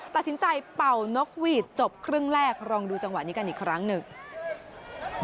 เป่านกหวีดจบครึ่งแรกลองดูจังหวะนี้กันอีกครั้งหนึ่ง